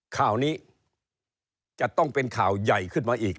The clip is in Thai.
ข่าวนี้จะต้องเป็นข่าวใหญ่ขึ้นมาอีก